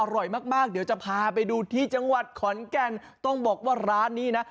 อร่อยมากมากเดี๋ยวจะพาไปดูที่จังหวัดขอนแก่นต้องบอกว่าร้านนี้นะ